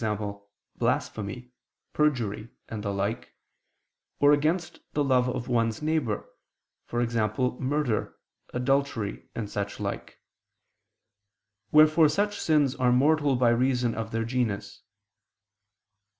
blasphemy, perjury, and the like, or against the love of one's neighbor, e.g. murder, adultery, and such like: wherefore such sins are mortal by reason of their genus.